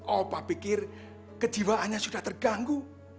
opa pikir kejiwaannya sudah terganggu